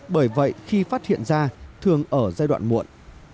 bởi vậy khi phát hiện ra thường ở giai đoạn muộn